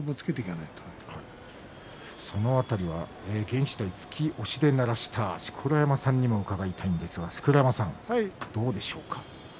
その辺りは突き押しで鳴らした錣山さんにも伺いたいんですがどうでしょうか。